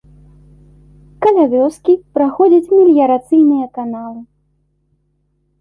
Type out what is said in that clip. Каля вёскі праходзяць меліярацыйныя каналы.